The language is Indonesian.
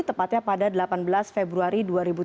tepatnya pada delapan belas februari dua ribu tujuh belas